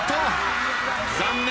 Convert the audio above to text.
残念。